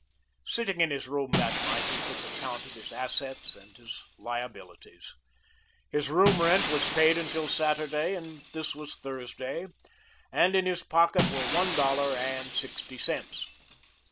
Sitting in his room that night he took account of his assets and his liabilities. His room rent was paid until Saturday and this was Thursday, and in his pocket were one dollar and sixty cents.